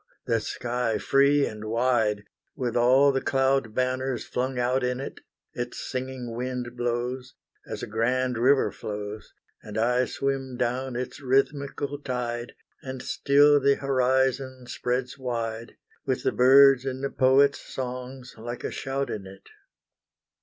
the sky free and wide, With all the cloud banners flung out in it Its singing wind blows As a grand river flows, And I swim down its rhythmical tide, And still the horizon spreads wide, With the birds' and the poets' songs like a shout in it!